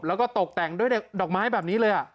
แล้วก็ตกแต่งด้วยดอกไม้แบบนี้เลย